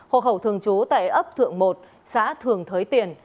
hộ khẩu thường trú tại ấp thượng một xã thường thới tiền